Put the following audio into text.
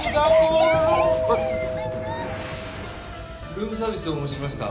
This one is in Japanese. ルームサービスをお持ちしました。